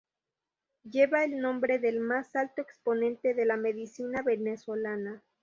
Lleva el nombre del más alto exponente de la medicina venezolana.